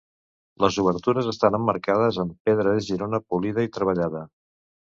Les obertures estan emmarcades amb pedra de Girona polida i treballada.